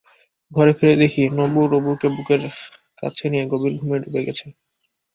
ঘরে ফিরে দেখি নবু-রবুকে বুকের কাছে নিয়ে গভীর ঘুমে ডুবে গেছে।